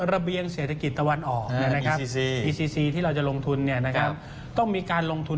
ระเบียงเศรษฐกิจตะวันออกนะครับที่เราจะลงทุนเนี่ยนะครับต้องมีการลงทุน